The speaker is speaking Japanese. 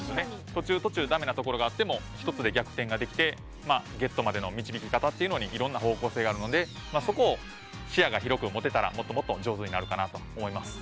途中途中だめなところがあっても１つで逆転ができてゲットまでの導き方にいろんな方向性があるのでそこを、視野を広くもてたらもっともっと上手になるかなと思います。